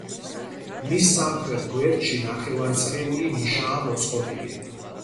მის სამხრეთ გვერდში ნახევარწრიული ნიშაა მოწყობილი.